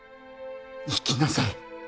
生きなさい。